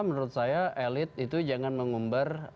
menurut saya elit itu jangan mengumbar